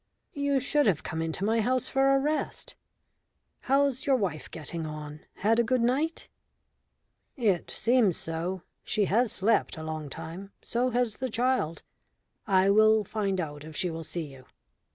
"You should have come into my house for a rest. How's your wife getting on had a good night?" "It seems so. She has slept a long time. So has the child. I will find out if she will see you."